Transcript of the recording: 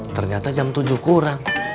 ternyata jam tujuh kurang